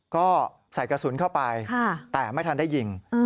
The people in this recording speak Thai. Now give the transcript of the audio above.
ก็ใส่กระสุนเข้าไปแต่ไม่ทันได้ยิง